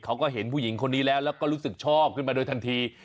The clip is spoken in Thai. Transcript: เขาก็เห็นผู้หญิงคนนี้แล้วแล้วก็รู้สึกชอบขึ้นมาโดยทันที